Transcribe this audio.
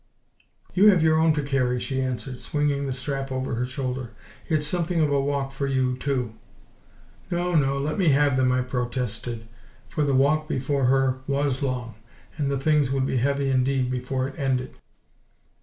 "You have your own to carry," she answered, swinging the strap over her shoulder. "It's something of a walk for you, too." "No, no, let me have them," I protested, for the walk before her WAS long and the things would be heavy indeed before it ended.